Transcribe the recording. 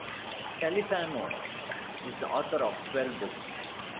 Califano is the author of twelve books.